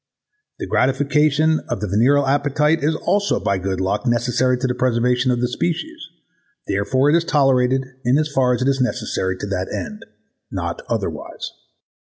The gratification of the venereal appetite is also by good luck necessary to the preservation of the species: therefore it is tolerated in as far as it is necessary to that end, not otherwise.